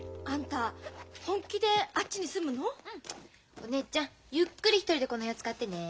お姉ちゃんゆっくり一人でこの部屋使ってね。